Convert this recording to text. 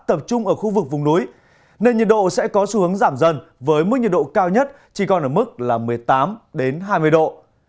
tập trung ở khu vực vùng núi nên nhiệt độ sẽ có xu hướng giảm dần với mức nhiệt độ cao nhất chỉ còn ở mức một mươi tám hai mươi độ